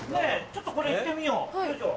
ちょっとこれ行ってみようよいしょ。